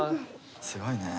すごいね。